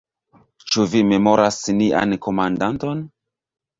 Ĉu vi memoras nian komandanton?